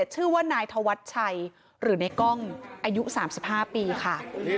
ชื่อว่านายธวัชชัยหรือในกล้องอายุ๓๕ปีค่ะ